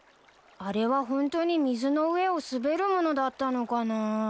あれはホントに水の上を滑るものだったのかな？